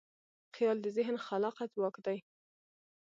خیال د ذهن خلاقه ځواک دی.